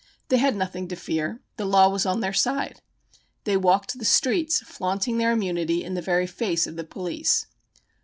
They had nothing to fear. The law was on their side. They walked the streets flaunting their immunity in the very face of the police.